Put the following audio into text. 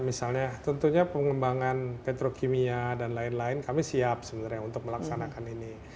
misalnya tentunya pengembangan petrokimia dan lain lain kami siap sebenarnya untuk melaksanakan ini